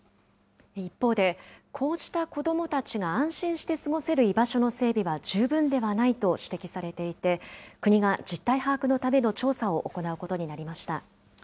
一方で、こうした子どもたちが安心して過ごせる居場所の整備は十分ではないと指摘されていて、国が実態把握のための調査を行うことになりました。